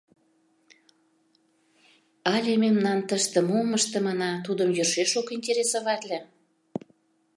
Але мемнан тыште мом ыштымына тудым йӧршеш ок интересоватле?